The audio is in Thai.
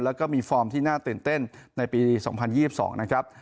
แล้วก็มีฟอร์มที่น่าตื่นเต้นในปี๒๐๒๒นะครับ